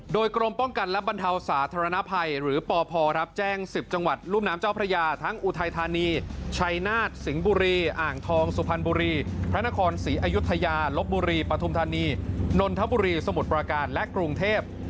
โดยกรมป้องกันและบรรเทาสาธารณภัยหรือปพรับแจ้ง๑๐จังหวัดรุ่มน้ำเจ้าพระยาทั้งอุทัยธานีชัยนาฏสิงห์บุรีอ่างทองสุพรรณบุรีพระนครศรีอยุธยาลบบุรีปฐุมธานีนนทบุรีสมุทรประการและกรุงเทพ